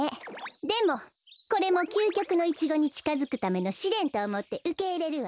でもこれもきゅうきょくのイチゴにちかづくためのしれんとおもってうけいれるわ。